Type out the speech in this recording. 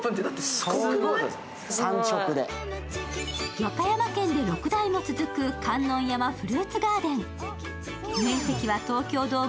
和歌山県で６代も続く観音山フルーツガーデン。